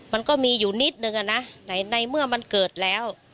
มันก็มีอยู่นิดนึงอะนะในเมื่อมันเกิดแล้ว